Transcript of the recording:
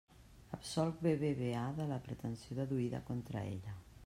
Absolc BBVA de la pretensió deduïda contra ella.